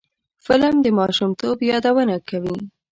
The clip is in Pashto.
فلم د ماشومتوب یادونه کوي